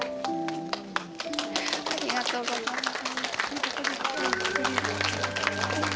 ありがとうございます。